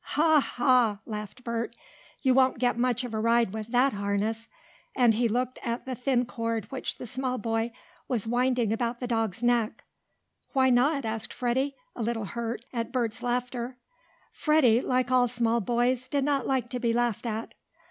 "Ha! Ha!" laughed Bert. "You won't get much of a ride with THAT harness," and he looked at the thin cord which the small boy was winding about the dog's neck. "Why not?" asked Freddie, a little hurt at Bert's laughter. Freddie, like all small boys, did not like to be laughed at.